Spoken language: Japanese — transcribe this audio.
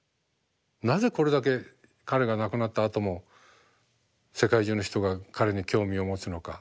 なぜこれだけ彼が亡くなったあとも世界中の人が彼に興味を持つのか。